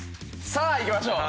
さぁ行きましょう！